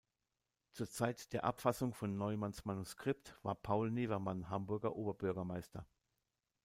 Zur Zeit der Abfassung von Neumanns Manuskript war Paul Nevermann Hamburger Oberbürgermeister.